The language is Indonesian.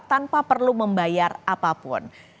tanpa perlu membayar apapun